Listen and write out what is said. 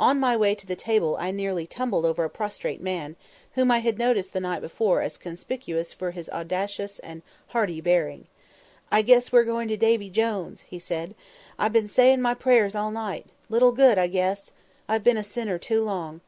On my way to the table I nearly tumbled over a prostrate man, whom I had noticed the night before as conspicuous for his audacious and hardy bearing. "I guess we're going to Davy Jones," he said; "I've been saying my prayers all night little good, I guess. I've been a sinner too long.